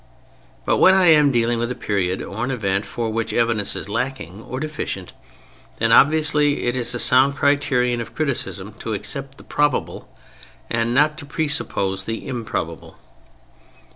But when I am dealing with a period or an event for which evidence is lacking or deficient, then obviously it is a sound criterion of criticism to accept the probable and not to presuppose the improbable.